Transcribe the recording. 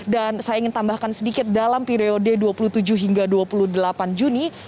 dan saya ingin tambahkan sedikit dalam periode dua puluh tujuh hingga dua puluh delapan juni